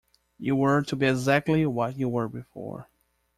You were to be exactly what you were before.